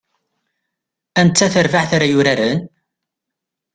Anta tarbaɛt ara yuraren?